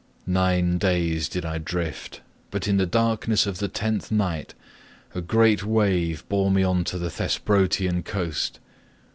Nine days did I drift but in the darkness of the tenth night a great wave bore me on to the Thesprotian coast.